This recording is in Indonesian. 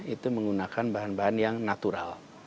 itu menggunakan bahan bahan yang natural